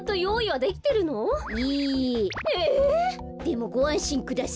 でもごあんしんください。